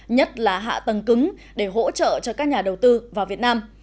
nhất là hạ tầng cứng để hỗ trợ cho các nhà đầu tư vào việt nam